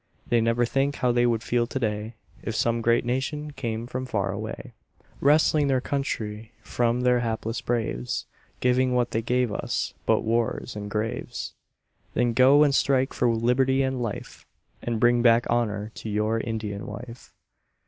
They never think how they would feel to day, If some great nation came from far away, Wresting their country from their hapless braves, Giving what they gave us but wars and graves. Then go and strike for liberty and life, And bring back honour to your Indian wife.